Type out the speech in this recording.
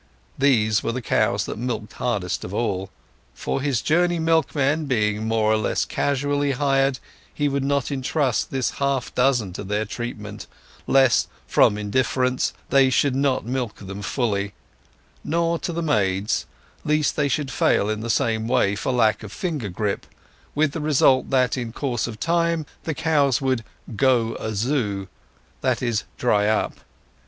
These were the cows that milked hardest of all; for his journey milkmen being more or less casually hired, he would not entrust this half dozen to their treatment, lest, from indifference, they should not milk them fully; nor to the maids, lest they should fail in the same way for lack of finger grip; with the result that in course of time the cows would "go azew"—that is, dry up.